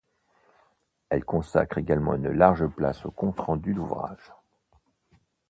Elle consacre également une large place aux comptes rendus d’ouvrages.